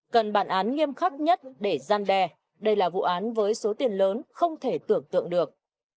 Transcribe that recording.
cần bản án nghiêm khắc nhất để gian đe đây là vụ án với số tiền lớn không thể tưởng tượng được